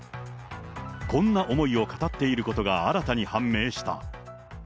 こんな思いを語っていることが新たに判明した。